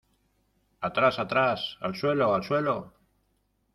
¡ Atrás! ¡ atrás !¡ al suelo !¡ al suelo !